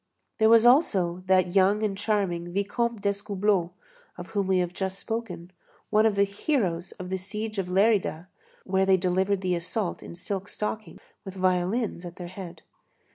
There was also that young and charming Vicomte d'Escoubleau, of whom we have just spoken, one of the heroes of the siege of Lérida, where they delivered the assault in silk stockings, with violins at their head.